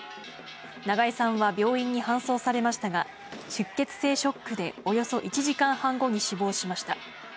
長江さんは病院に搬送されましたが、出血性ショックで、およそ１時間半後に死亡しました。